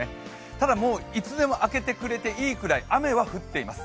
ただもういつでも明けてくれていいぐらい、雨は降っています